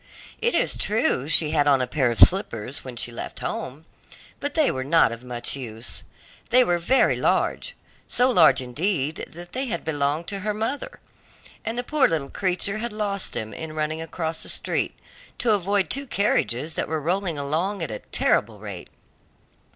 It is true she had on a pair of slippers when she left home, but they were not of much use. They were very large, so large, indeed, that they had belonged to her mother, and the poor little creature had lost them in running across the street to avoid two carriages that were rolling along at a terrible rate.